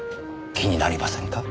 気になりませんか？